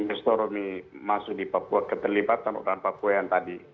infrastruktur masuk di papua keterlibatan orang papua yang tadi